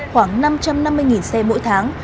khoảng năm trăm năm mươi xe mỗi tháng